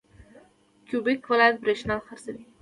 کیوبیک ولایت بریښنا خرڅوي.